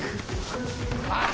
あっ。